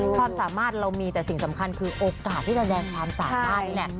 ความสามารถเรามีแต่สิ่งสำคัญคือโอกาสที่จะแสดงความสามารถนี่แหละ